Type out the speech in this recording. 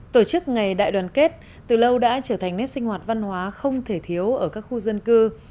tổ chức ngày đại đoàn kết từ lâu đã trở thành nét sinh hoạt văn hóa không thể thiếu ở các khu dân cư